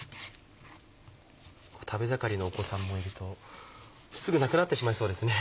食べ盛りのお子さんもいるとすぐなくなってしまいそうですね。